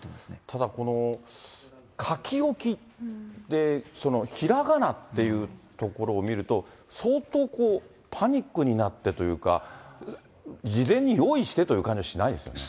ただこの書き置きで、ひらがなっていうところを見ると、相当パニックになってというか、事前に用意してという感じはしないですよね。